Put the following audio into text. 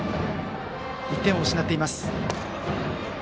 １点を失っています。